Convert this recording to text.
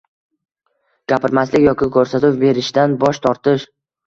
Gapirmaslik yoki ko‘rsatuv berishdan bosh tortish